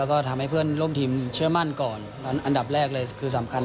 แล้วก็ทำให้เพื่อนร่วมทีมเชื่อมั่นก่อนอันดับแรกเลยคือสำคัญ